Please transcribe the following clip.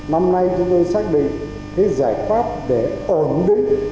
năm nay chúng tôi xác định cái giải pháp để ổn định